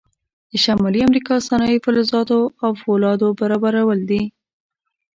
د شمالي امریکا صنایع فلزاتو او فولادو برابرول دي.